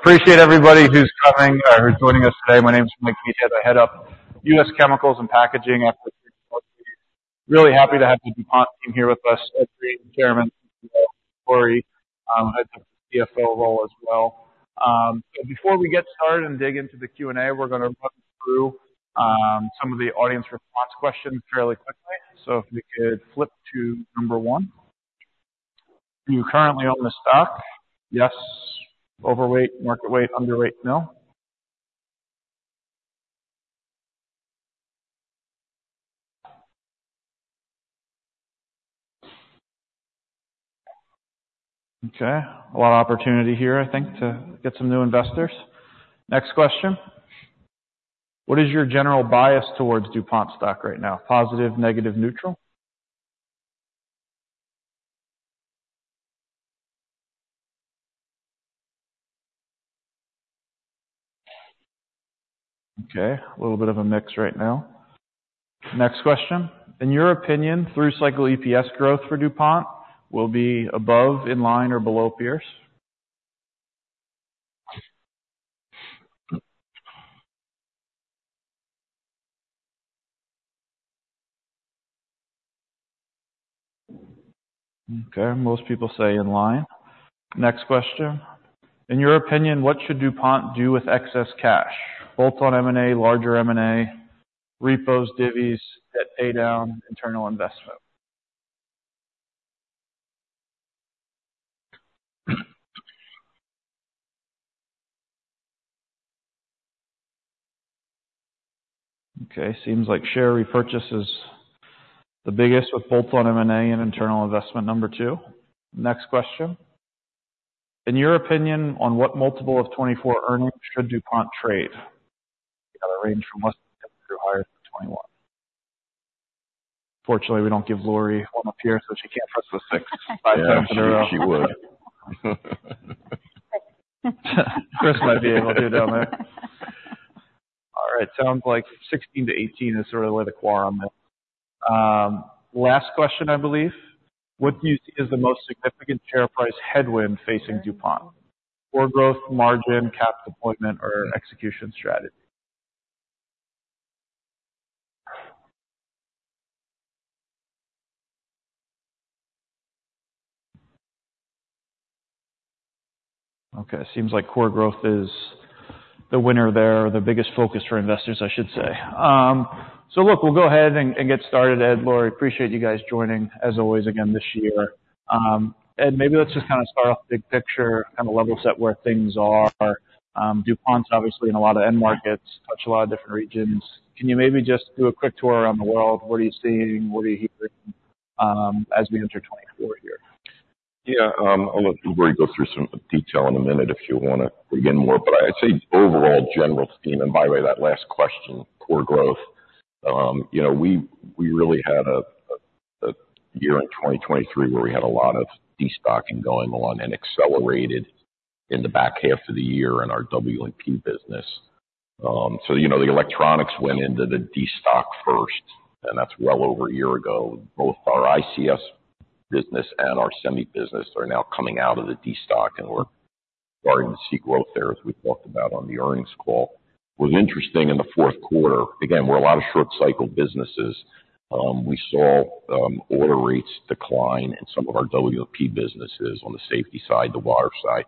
Appreciate everybody who's coming or who's joining us today. My name's Mike Leithead. I head up US Chemicals and Packaging at the Barclays. Really happy to have the DuPont team here with us. Ed Breen, Chairman. Thank you, Lori. Head of the CFO role as well. So before we get started and dig into the Q and A we're gonna run through some of the audience response questions fairly quickly. So if we could flip to number one. Do you currently own the stock? Yes. Overweight? Market weight? Underweight? No. Okay. A lot of opportunity here I think to get some new investors. Next question. What is your general bias towards DuPont stock right now? Positive? Negative? Neutral? Okay. A little bit of a mix right now. Next question. In your opinion through cycle EPS growth for DuPont will be above, in line, or below peers? Okay. Most people say in line. Next question. In your opinion what should DuPont do with excess cash? Bolt-on M&A? Larger M&A? Repos? Divvies? Debt paydown? Internal investment? Okay. Seems like share repurchase is the biggest with Bolt-on M&A and internal investment. 2. Next question. In your opinion on what multiple of 2024 earnings should DuPont trade? You gotta range from less than 6 through higher than 21. Fortunately we don't give Lori one with peers so she can't press the 6. 5 times in a row. She would. Chris will do it down there. All right. Sounds like 16-18 is sort of the quorum there. Last question I believe. What do you see as the most significant share price headwind facing DuPont? Core growth? Margin? Cap deployment? Or execution strategy? Okay. Seems like core growth is the winner there. The biggest focus for investors I should say. So look we'll go ahead and get started. Ed, Lori, appreciate you guys joining as always again this year. Ed, maybe let's just kinda start off the big picture kinda level set where things are. DuPont's obviously in a lot of end markets. Touch a lot of different regions. Can you maybe just do a quick tour around the world? What are you seeing? What are you hearing? As we enter 2024 here. Yeah. I'll let Lori go through some detail in a minute if you wanna dig in more. But I'd say overall general theme and by the way that last question core growth. You know we really had a year in 2023 where we had a lot of destocking going on and accelerated in the back half of the year in our W&P business. So you know the electronics went into the destock first and that's well over a year ago. Both our ICS business and our semi business are now coming out of the destock and we're starting to see growth there as we talked about on the earnings call. What was interesting in the fourth quarter again we're a lot of short cycle businesses. We saw order rates decline in some of our W&P businesses on the safety side, the water side.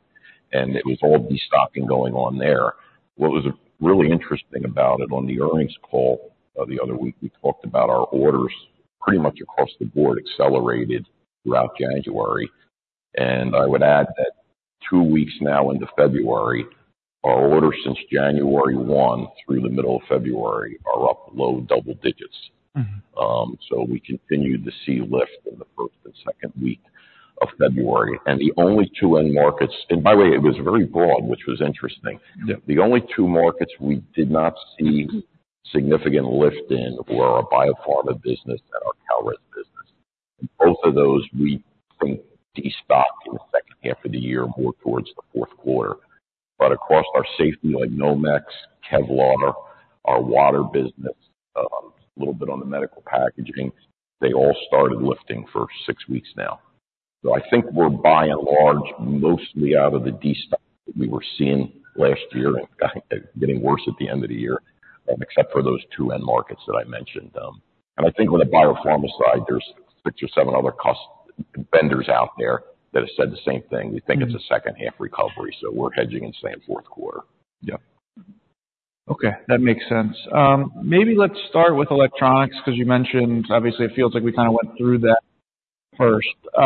It was all destocking going on there. What was really interesting about it on the earnings call the other week, we talked about our orders pretty much across the board accelerated throughout January. I would add that two weeks now into February our orders since January 1 through the middle of February are up below double digits. Mm-hmm. We continued to see lift in the first and second week of February. The only two end markets and by the way it was very broad which was interesting. Yeah. The only two markets we did not see significant lift in were our Biopharma business and our Kalrez business. And both of those we think destocked in the second half of the year more towards the fourth quarter. But across our safety like Nomex, Tedlar our water business a little bit on the medical packaging they all started lifting for six weeks now. So I think we're by and large mostly out of the destock that we were seeing last year and getting worse at the end of the year, except for those two end markets that I mentioned. And I think on the Biopharma side there's six or seven other customers out there that have said the same thing. We think it's a second half recovery. So we're hedging and staying fourth quarter. Yeah. Okay. That makes sense. Maybe let's start with electronics 'cause you mentioned obviously it feels like we kinda went through that first. A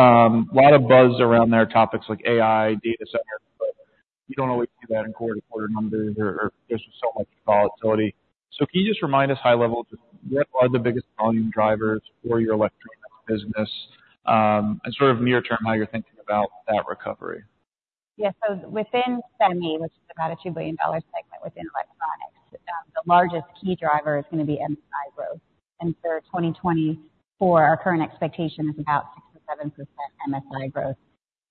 lot of buzz around those topics like AI data centers. But you don't always see that in quarter-to-quarter numbers or there's just so much volatility. So can you just remind us high level just what are the biggest volume drivers for your electronics business? And sort of near term how you're thinking about that recovery. Yeah. So within semi, which is about a $2 billion segment within electronics, the largest key driver is gonna be MSI growth. For 2024 our current expectation is about 6%-7% MSI growth.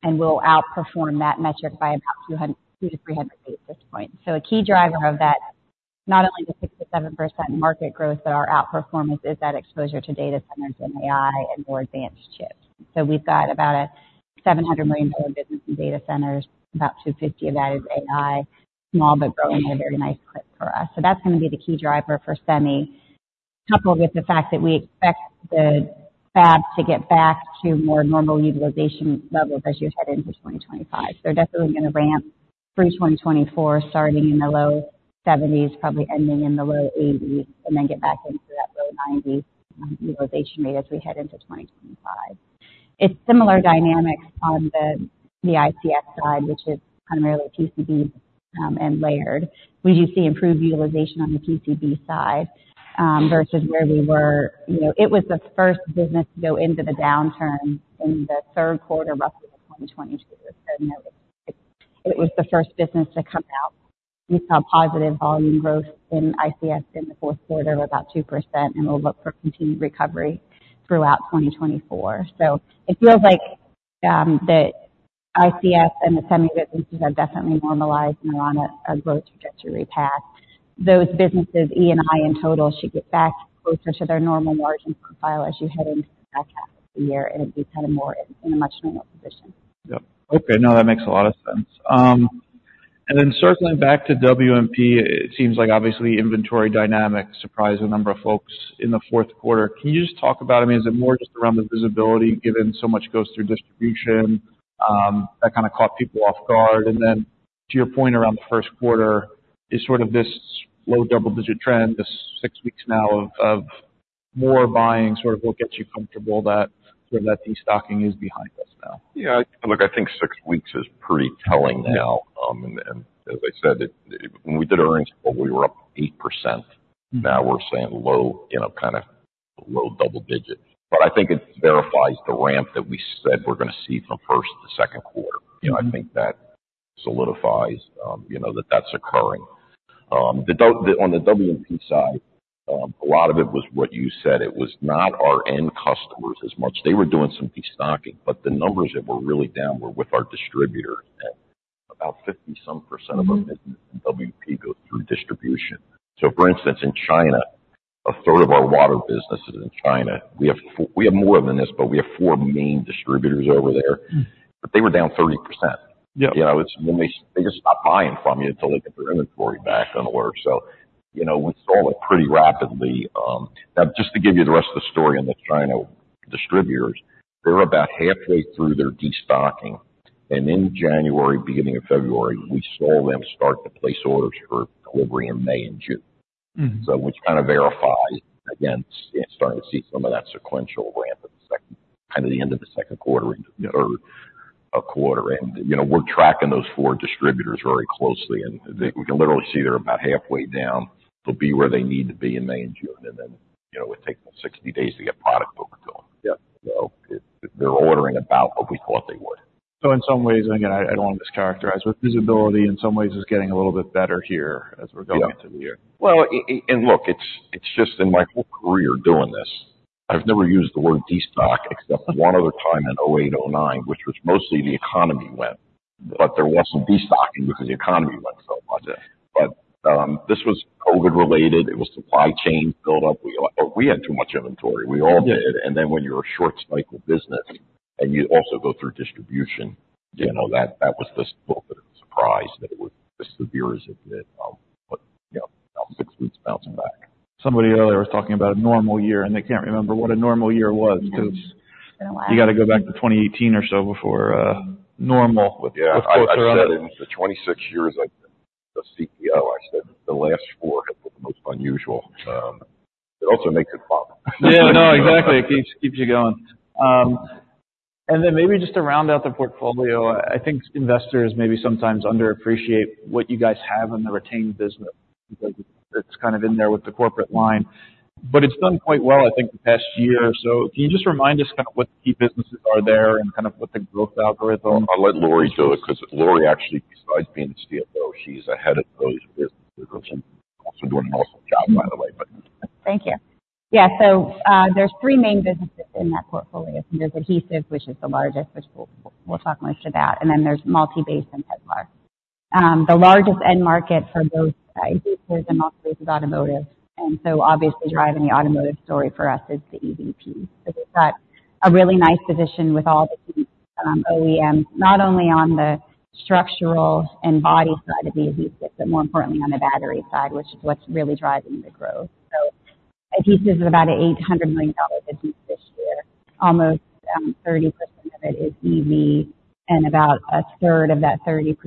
And we'll outperform that metric by about 200 to 300 basis points at this point. So a key driver of that, not only the 6%-7% market growth but our outperformance, is that exposure to data centers and AI and more advanced chips. So we've got about a $700 million business in data centers. About $250 of that is AI. Small but growing at a very nice clip for us. So that's gonna be the key driver for semi coupled with the fact that we expect the fabs to get back to more normal utilization levels as you head into 2025. So they're definitely gonna ramp through 2024 starting in the low 70s probably ending in the low 80s and then get back into that low 90 utilization rate as we head into 2025. It's similar dynamics on the ICS side which is primarily PCB and layered. We do see improved utilization on the PCB side versus where we were you know it was the first business to go into the downturn in the third quarter roughly of 2022. So no it's it was the first business to come out. We saw positive volume growth in ICS in the fourth quarter of about 2%. And we'll look for continued recovery throughout 2024. So it feels like the ICS and the semi businesses have definitely normalized and are on a growth trajectory path. Those businesses E&I in total should get back closer to their normal margin profile as you head into the back half of the year and it'd be kinda more in a much normal position. Yeah. Okay. No, that makes a lot of sense. And then circling back to W&P, it seems like obviously inventory dynamics surprised a number of folks in the fourth quarter. Can you just talk about, I mean, is it more just around the visibility given so much goes through distribution? That kinda caught people off guard. And then to your point around the first quarter is sort of this low double digit trend this six weeks now of more buying sort of what gets you comfortable that sort of that destocking is behind us now? Yeah. I look, I think six weeks is pretty telling now. And as I said, it when we did our earnings call we were up 8%. Now we're saying low, you know, kinda low double-digit. But I think it verifies the ramp that we said we're gonna see from first to second quarter. You know, I think that solidifies, you know, that that's occurring. The do the on the W&P side a lot of it was what you said. It was not our end customers as much. They were doing some destocking. But the numbers that were really down were with our distributors. And about 50% of our business in W&P goes through distribution. So for instance in China a third of our water businesses in China we have four we have more than this but we have four main distributors over there. But they were down 30%. Yeah. You know it's when they just stop buying from you until they get their inventory back in order. So you know we saw that pretty rapidly. Now just to give you the rest of the story on the China distributors, they're about halfway through their destocking. In January, beginning of February we saw them start to place orders for delivery in May and June. So which kinda verifies again starting to see some of that sequential ramp in the second kinda the end of the second quarter into the third. Yeah. Quarter. And you know we're tracking those four distributors very closely. And we can literally see they're about halfway down. They'll be where they need to be in May and June. And then you know it takes them 60 days to get product over to them. Yeah. So, it's they're ordering about what we thought they would. In some ways, and again, I don't wanna mischaracterize, but visibility in some ways is getting a little bit better here as we're going into the year. Yeah. Well, and look, it's just in my whole career doing this I've never used the word destock except one other time in 2008-2009 which was mostly the economy went. But there wasn't destocking because the economy went so much. Yeah. But this was COVID related. It was supply chain buildup. We all had too much inventory. We all did. Yeah. When you're a short cycle business and you also go through distribution. Yeah. You know that that was the surprise that it was as severe as it did. But you know now six weeks bouncing back. Somebody earlier was talking about a normal year and they can't remember what a normal year was. 'Cause it's been a while. You gotta go back to 2018 or so before normal was closer on. Yeah. I said in the 26 years I've been the CEO I said the last four have been the most unusual. It also makes it fun. Yeah. No, exactly. It keeps you going. And then, maybe just to round out the portfolio, I think investors maybe sometimes underappreciate what you guys have in the retained business. Because it's kinda in there with the corporate line. But it's done quite well, I think, the past year or so. Can you just remind us kinda what the key businesses are there and kinda what the growth algorithm? I'll let Lori do it 'cause Lori actually besides being the CFO she's the head of those businesses. And also doing an awesome job by the way. But. Thank you. Yeah. So there are 3 main businesses in that portfolio. There is adhesives, which is the largest, which we'll talk most about. And then there is Multibase and Kevlar. The largest end market for both adhesives and Multibase is automotive. And so obviously driving the automotive story for us is the EV. So we've got a really nice position with all the key OEMs not only on the structural and body side of the adhesives but more importantly on the battery side, which is what's really driving the growth. So adhesives is about an $800 million business this year. Almost 30% of it is EV. And about a third of that 30%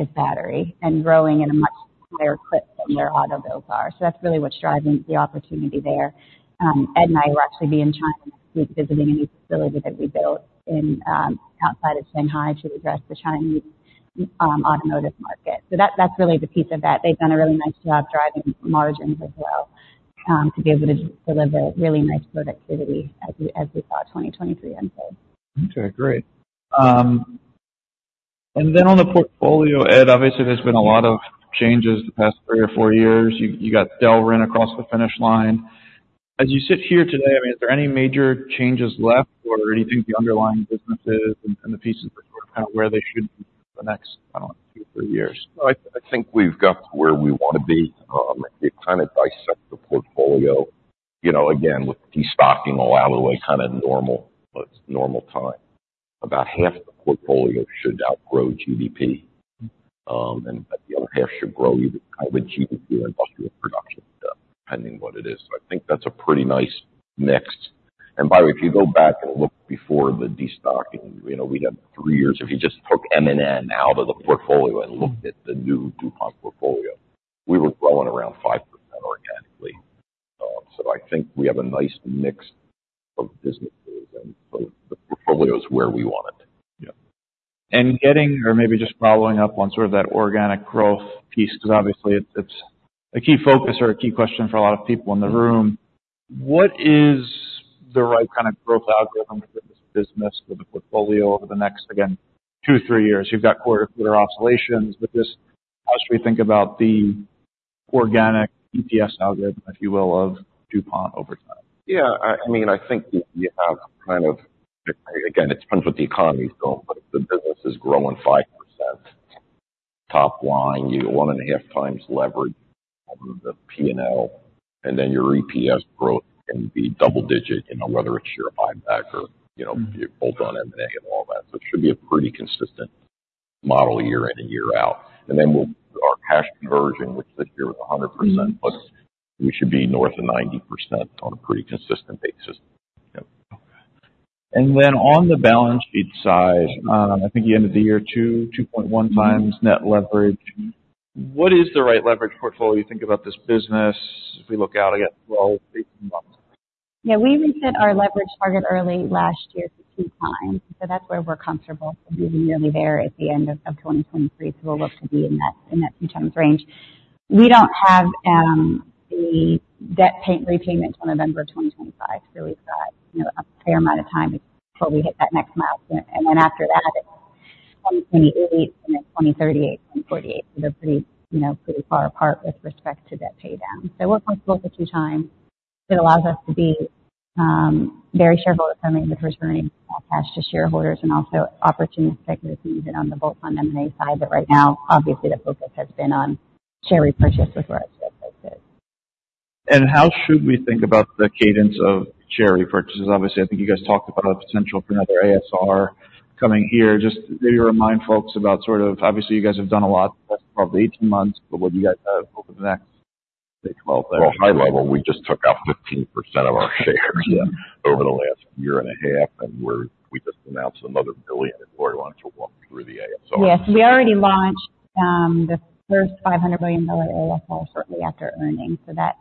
is battery. And growing in a much higher clip than where auto builds are. So that's really what's driving the opportunity there. Ed and I will actually be in China next week visiting a new facility that we built in outside of Shanghai to address the Chinese automotive market. So that's really the piece of that. They've done a really nice job driving margins as well to be able to deliver really nice productivity as we saw 2023 ends of. Okay. Great. Then, on the portfolio, Ed, obviously there's been a lot of changes the past three or four years. You got Delrin across the finish line. As you sit here today, I mean, is there any major changes left? Or do you think the underlying businesses and the pieces are sort of kinda where they should be for the next, I don't know, two or three years? Well, I think we've got to where we wanna be. It kinda dissects the portfolio. You know, again with destocking allowed away kinda normal time. About half the portfolio should outgrow GDP. The other half should grow either COVID GDP or industrial production stuff depending what it is. So I think that's a pretty nice mix. And by the way if you go back and look before the destocking you know we had three years if you just took M&M out of the portfolio and looked at the new DuPont portfolio we were growing around 5% organically. So I think we have a nice mix of businesses. And so the portfolio is where we want it. Yeah. And getting or maybe just following up on sort of that organic growth piece 'cause obviously it's it's a key focus or a key question for a lot of people in the room. What is the right kinda growth algorithm for this business for the portfolio over the next again 2-3 years? You've got quarter-to-quarter oscillations. But just how should we think about the organic EPS algorithm if you will of DuPont over time? Yeah. I mean, I think we have kind of again, it depends what the economy's doing. But if the business is growing 5% top line, you get 1.5 times leverage on the P&L. And then your EPS growth can be double-digit, you know, whether it's share buyback or, you know, bolt-on M&A and all that. So it should be a pretty consistent model year in and year out. And then we'll our cash conversion, which this year was 100%. But we should be north of 90% on a pretty consistent basis. Yeah. Okay. Then on the balance sheet side, I think you ended the year 2.2 times net leverage. What is the right leverage portfolio you think about this business if we look out again 12-18 months? Yeah. We reset our leverage target early last year for two times. So that's where we're comfortable. So we'll be nearly there at the end of 2023. So we'll look to be in that two times range. We don't have the debt principal repayments on November of 2025. So we've got you know a fair amount of time before we hit that next milestone. And then after that it's 2028 and then 2038, 2048. So they're pretty you know pretty far apart with respect to debt paydown. So we're comfortable with the two times. It allows us to be very shareholder friendly with returning cash to shareholders. And also opportunistic with using it on the bolt-on M&A side. But right now obviously the focus has been on share repurchase with where it's located. How should we think about the cadence of share repurchases? Obviously I think you guys talked about a potential for another ASR coming here. Just maybe remind folks about sort of obviously you guys have done a lot the last 12 to 18 months. What do you guys have over the next say 12 there? Well, high level, we just took out 15% of our shares. Yeah. Over the last year and a half. We just announced another $1 billion, and Lori wanted to walk through the ASR. Yes. We already launched the first $500 million ASR shortly after earnings. So that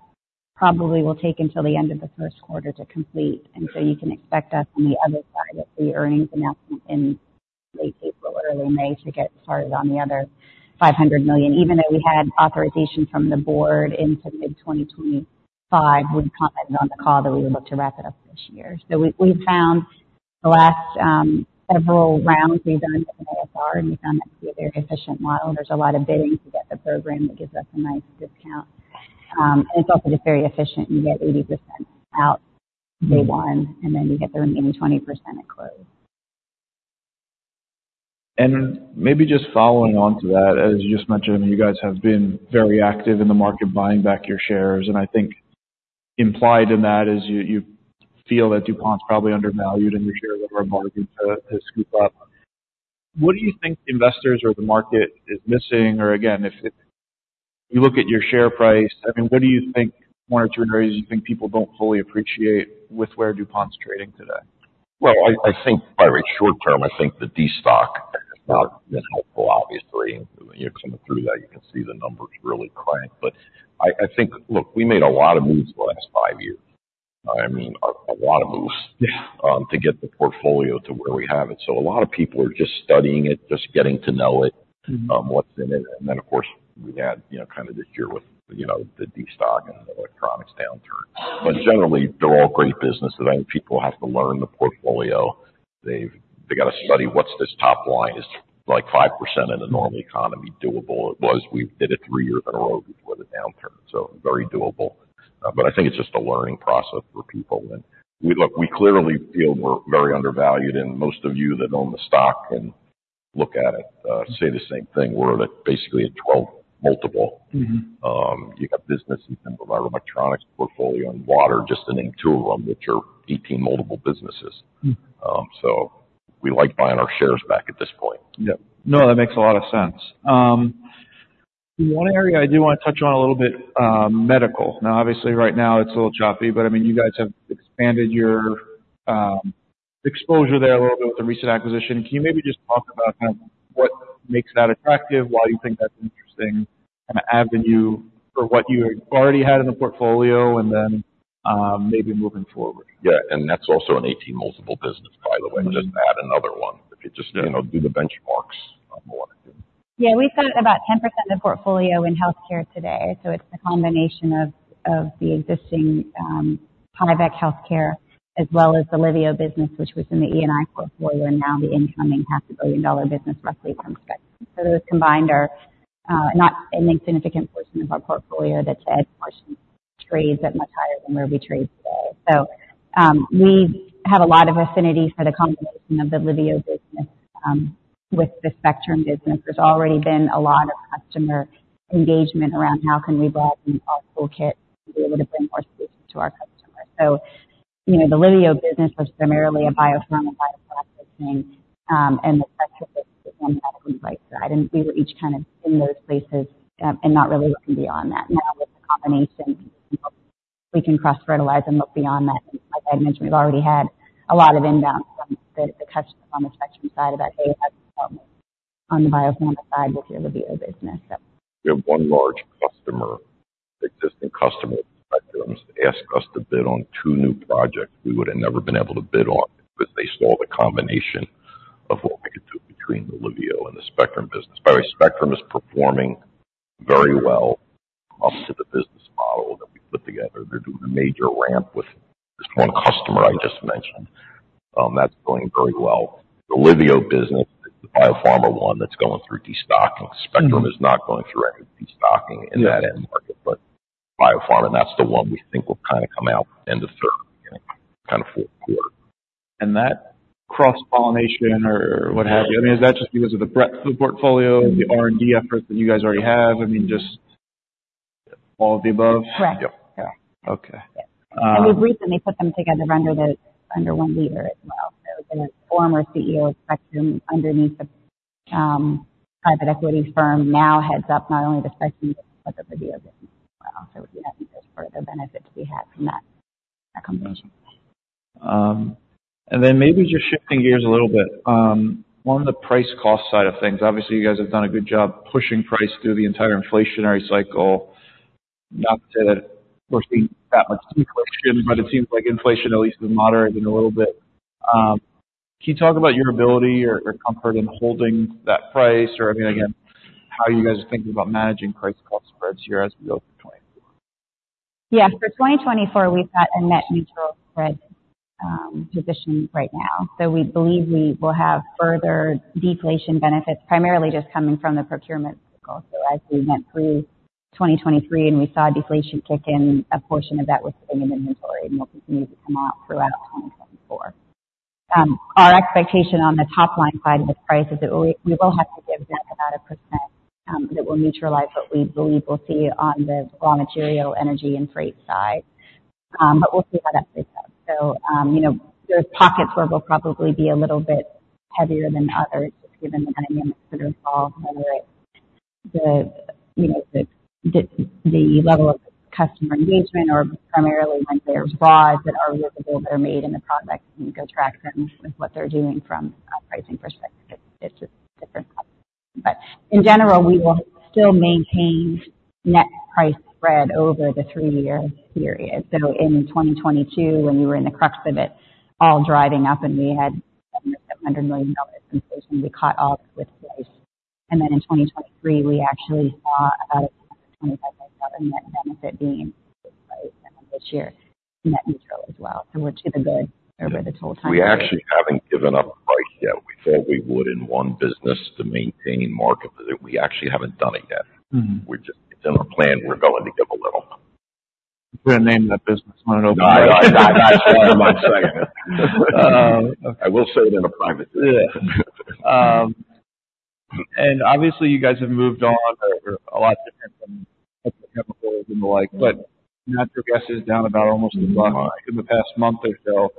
probably will take until the end of the first quarter to complete. And so you can expect us on the other side of the earnings announcement in late April early May to get started on the other $500 million. Even though we had authorization from the board into mid-2025 we commented on the call that we would look to wrap it up this year. So we've found the last several rounds we've done with an ASR and we found that to be a very efficient model. There's a lot of bidding to get the program that gives us a nice discount. And it's also just very efficient. You get 80% out day one. And then you get the remaining 20% at close. Maybe just following on to that, as you just mentioned, I mean, you guys have been very active in the market buying back your shares. I think implied in that is you feel that DuPont's probably undervalued and your shares are a bargain to scoop up. What do you think investors or the market is missing? Or again, if you look at your share price, I mean, what do you think one or two areas you think people don't fully appreciate with where DuPont's trading today? Well, I think, by the way, short term, I think the destock has not been helpful, obviously. And you know, coming through that, you can see the numbers really crank. But I think, look, we made a lot of moves the last five years. I mean a lot of moves. Yeah. to get the portfolio to where we have it. So a lot of people are just studying it just getting to know it. What's in it. And then of course we had you know kinda this year with you know the destock and the electronics downturn. But generally they're all great businesses. I think people have to learn the portfolio. They gotta study what's this top line is like 5% in a normal economy doable. It was we did it three years in a row before the downturn. So very doable. But I think it's just a learning process for people. And, look, we clearly feel we're very undervalued. And most of you that own the stock can look at it say the same thing. We're at a basically a 12x multiple. You got businesses in the electronics portfolio and water, just to name two of them, which are 18 multiple businesses. We like buying our shares back at this point. Yeah. No, that makes a lot of sense. One area I do wanna touch on a little bit: medical. Now, obviously right now it's a little choppy. But I mean, you guys have expanded your exposure there a little bit with the recent acquisition. Can you maybe just talk about kinda what makes that attractive? Why do you think that's an interesting kinda avenue for what you already had in the portfolio? And then maybe moving forward. Yeah. That's also an 18x multiple business by the way. Just add another one. If you just, you know, do the benchmarks on the one or two. Yeah. We've got about 10% of portfolio in healthcare today. So it's the combination of the existing Tyvek healthcare as well as the Liveo business which was in the E&I portfolio. And now the incoming $500 million business roughly from Spectrum. So those combined are not an insignificant portion of our portfolio that's at partial trades at much higher than where we trade today. So we have a lot of affinity for the combination of the Liveo business with the Spectrum business. There's already been a lot of customer engagement around how can we broaden our toolkit to be able to bring more solutions to our customers. So you know the Liveo business was primarily a biopharma bioprocessing, and the Spectrum business was more medically right side. And we were each kinda in those places and not really looking beyond that. Now with the combination we can cross-fertilize and look beyond that. And like I had mentioned we've already had a lot of inbound from the customers on the Spectrum side about hey how can you help me on the biopharma side with your Liveo business. So. We have one large customer, existing customer with Spectrum, [that's] asked us to bid on two new projects we would have never been able to bid on because they saw the combination of what we could do between the Liveo and the Spectrum business. By the way, Spectrum is performing very well up to the business model that we put together. They're doing a major ramp with this one customer I just mentioned. That's going very well. The Liveo business is the biopharma one that's going through destocking. Spectrum is not going through any destocking in that end market. But biopharma, that's the one we think will kinda come out end of third beginning kinda fourth quarter. That cross-pollination or what have you? I mean, is that just because of the breadth of the portfolio? Yeah. The R&D efforts that you guys already have? I mean just all of the above? Correct. Yeah. Yeah. Okay. We've recently put them together under the one leader as well. So the former CEO of Spectrum underneath the private equity firm now heads up not only the Spectrum but the Liveo business as well. So we have, there's part of the benefit to be had from that combination. And then maybe just shifting gears a little bit. On the price cost side of things, obviously you guys have done a good job pushing price through the entire inflationary cycle. Not too, we're seeing that much deflation. But it seems like inflation at least is moderated a little bit. Can you talk about your ability or or comfort in holding that price? Or I mean again how you guys are thinking about managing price cost spreads here as we go through 2024? Yeah. For 2024 we've got a net neutral spread position right now. So we believe we will have further deflation benefits primarily just coming from the procurement cycle. So as we went through 2023 and we saw deflation kick in, a portion of that was sitting in inventory. And we'll continue to come out throughout 2024. Our expectation on the top line side of the price is that we will have to give back about 1% that will neutralize what we believe we'll see on the raw material, energy and freight side. But we'll see how that plays out. So you know there's pockets where we'll probably be a little bit heavier than others. Just given the dynamics that are involved whether it's the you know the level of customer engagement or primarily when there's raws that are visible that are made in the products and you go track them with what they're doing from a pricing perspective. It's a different concept. But in general we will still maintain net price spread over the three-year period. So in 2022 when we were in the crux of it all driving up and we had almost $100 million inflation we offset with price. And then in 2023 we actually saw about a $25 million net benefit from price this year. Net neutral as well. So we're to the good over the total time. We actually haven't given up price yet. We thought we would in one business to maintain market share. We actually haven't done it yet. We're just, it's in our plan. We're going to give a little. You couldn't name that business when it opened up. Nahla Azmy. That's one of my second. I will say it in a private session. Yeah. Obviously you guys have moved on or a lot different than petrochemicals and the like. But natural gas is down about almost $1. In the past month or so.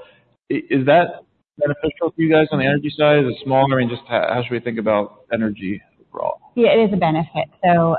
Is that beneficial to you guys on the energy side? Is it small? I mean just how should we think about energy overall? Yeah. It is a benefit. So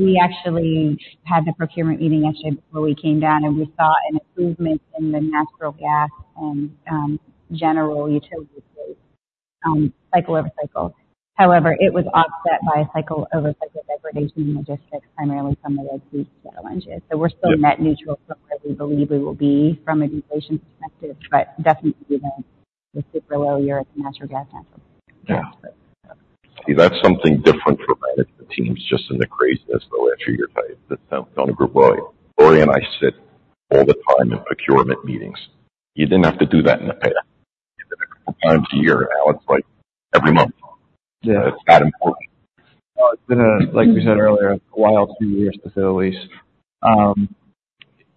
we actually had the procurement meeting yesterday before we came down. And we saw an improvement in the natural gas and general utility flows cycle-over-cycle. However, it was offset by cycle-over-cycle degradation in the distillates primarily from the Red Sea to the Algeria. So we're still net neutral from where we believe we will be from a deflation perspective. But definitely we won't be super low here at the natural gas natural gas spread. Yeah. See. That's something different for management teams just in the craziness of the way I treat your team. That sounds kinda granular. Lori and I sit all the time in procurement meetings. You didn't have to do that in the past. You did it a couple times a year. And now it's like every month. Yeah. But it's that important. Well, it's been a while, like we said earlier, too here specifically.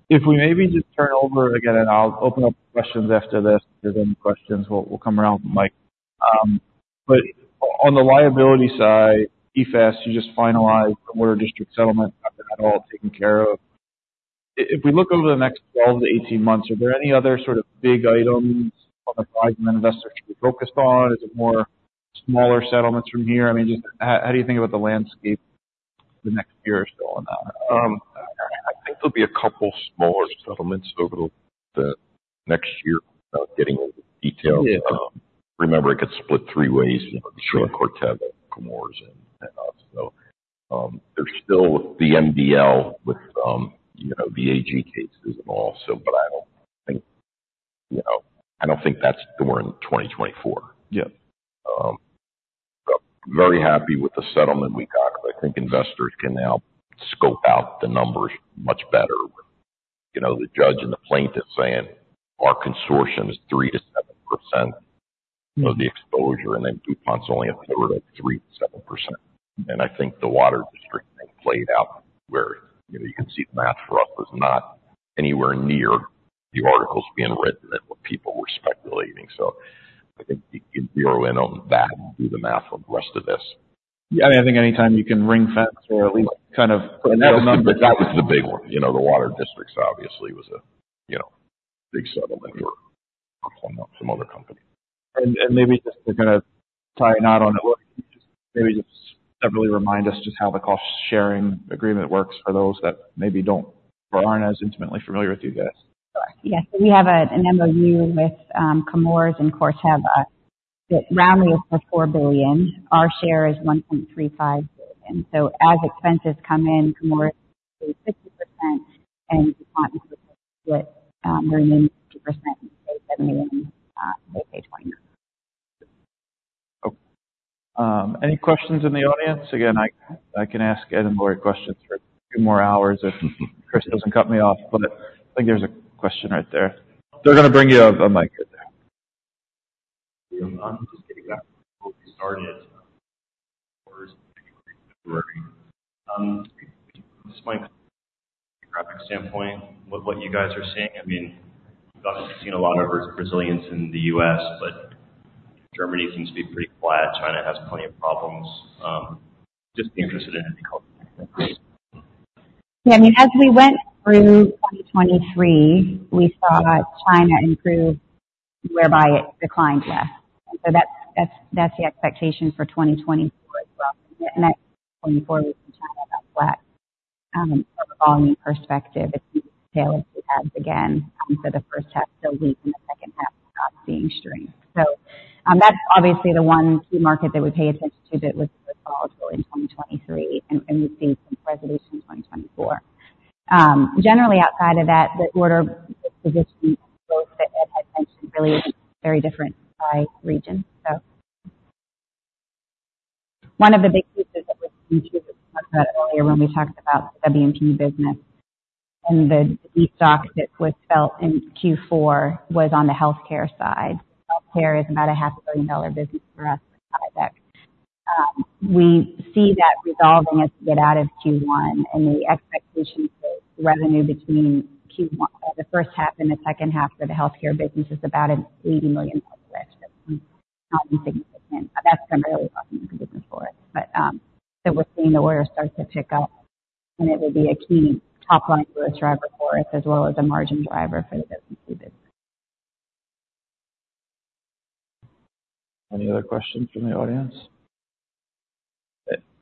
If we maybe just turn over again and I'll open up questions after this. If there's any questions we'll come around with Mike. But on the liability side PFAS you just finalized the water district settlement. Have that all taken care of? If we look over the next 12-18 months are there any other sort of big items on the horizon that investors should be focused on? Is it more smaller settlements from here? I mean just how do you think about the landscape the next year or so on that? I think there'll be a couple smaller settlements over the next year without getting into details. Yeah. Remember it gets split three ways. You know, the You mentioned, Corteva, and us. There's still the MDL with, you know, the AG cases and all. I don't think, you know, I don't think that's the one in 2024. Yeah. But very happy with the settlement we got. But I think investors can now scope out the numbers much better. You know the judge and the plaintiff saying our consortium is 3%-7%. Of the exposure. And then DuPont's only a third of 3%-7%. And I think the water district thing played out where you know you can see the math for us was not anywhere near the articles being written and what people were speculating. So I think you can zero in on that and do the math on the rest of this. Yeah. I mean I think anytime you can ring fence or at least kind of put another number. That was, but that was the big one. You know, the water districts obviously was a, you know, big settlement for some other companies. Maybe just to kinda tie a knot on it, Lori, can you just maybe just separately remind us just how the cost sharing agreement works for those that maybe don't or aren't as intimately familiar with you guys? Correct. Yeah. So we have an MOU with Chemours and of course that roundly is for $4 billion. Our share is $1.35 billion. So as expenses come in Chemours pays 50%. And DuPont is supposed to split their remaining 50% and they pay $7 million. They pay $29 million. Any questions in the audience? Again, I can ask Ed and Lori questions for two more hours if Chris doesn't cut me off. But I think there's a question right there. They're gonna bring you a mic right there. I'm just getting back before we started. Chemours in February. Just from my geographic standpoint what you guys are seeing I mean we've obviously seen a lot of resilience in the U.S.. But Germany seems to be pretty flat. China has plenty of problems. Just be interested in any calls from you guys. Yeah. I mean as we went through 2023 we saw China improve whereby it declined less. And so that's that's that's the expectation for 2024 as well. And that 2024 was in China about flat. From a volume perspective it's been tailored to the Techs again. So the first half's still weak and the second half's not seeing strength. So that's obviously the one key market that we pay attention to that was was volatile in 2023. And and we see some preservation in 2024. Generally outside of that the order position growth that Ed had mentioned really isn't very different by region. So one of the big pieces that we're seeing too that we talked about earlier when we talked about the W&P business and the the destock that was felt in Q4 was on the healthcare side. Healthcare is about a $500 million business for us with Tyvek. We see that resolving as we get out of Q1. The expectation for revenue between Q1 or the first half and the second half for the healthcare business is about an $80 million risk. That's not insignificant. That's primarily why we're in the business for it. But so we're seeing the order start to pick up. And it would be a key top line growth driver for us as well as a margin driver for the W&P business. Any other questions from the audience?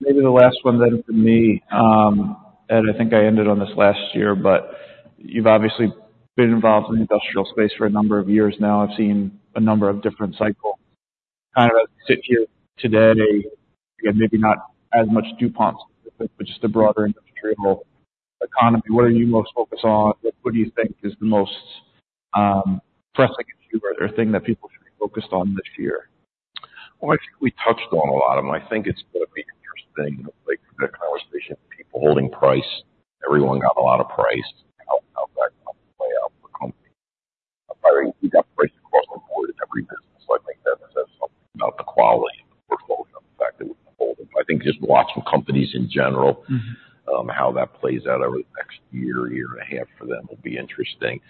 Maybe the last one then for me. Ed, I think I ended on this last year. But you've obviously been involved in the industrial space for a number of years now. I've seen a number of different cycles. Kinda as we sit here today again maybe not as much DuPont specifically but just the broader industrial economy. What are you most focused on? What what do you think is the most pressing issue or or thing that people should be focused on this year? Well, I think we touched on a lot of them. I think it's gonna be interesting, like, the conversation of people holding price. Everyone got a lot of price. How that's gonna play out for companies. Probably we got price across the board in every business. So I think that says something about the quality of the portfolio and the fact that we can hold them. I think just watching companies in general. How that plays out over the next year and a half for them will be interesting.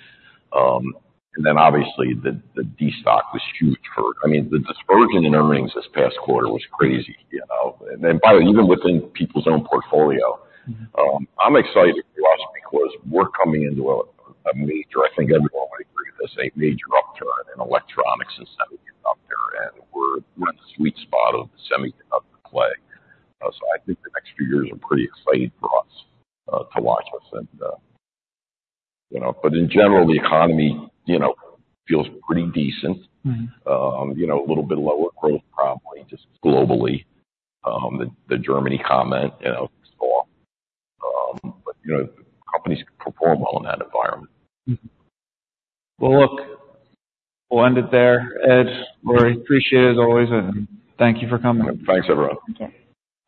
Then obviously the destock was huge. I mean, the dispersion in earnings this past quarter was crazy. You know, and by the way, even within people's own portfolio. I'm excited for us because we're coming into a major. I think everyone would agree with this, a major upturn in electronics and semiconductor. And we're in the sweet spot of the semiconductor play. So I think the next few years are pretty exciting for us to watch us. And you know, but in general, the economy you know feels pretty decent. You know, a little bit lower growth probably just globally. The Germany comment you know is off. But you know, companies perform well in that environment. Well, look, we'll end it there, Ed. Lori, appreciate it as always. And thank you for coming. Thanks everyone. Take care.